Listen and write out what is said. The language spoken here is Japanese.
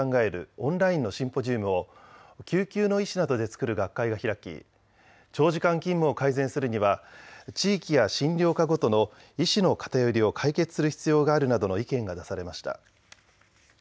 オンラインのシンポジウムを救急の医師などで作る学会が開き長時間勤務を改善するには地域や診療科ごとの医師の偏りを解決する必要があるなどの意見が出されました。